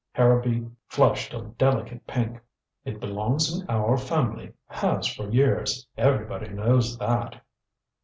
Harrowby flushed a delicate pink. "It belongs in our family has for years. Everybody knows that."